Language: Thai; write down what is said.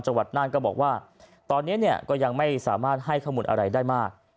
จังหวัดน่านก็บอกว่าตอนนี้เนี่ยก็ยังไม่สามารถให้ข้อมูลอะไรได้มาก